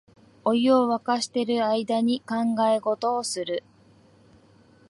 お湯をわかしてる間に考え事をする